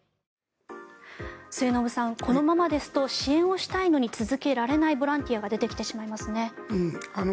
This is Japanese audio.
末延さん、このままですと支援をしたいのに続けられないボランティアが出てきてしまいますね。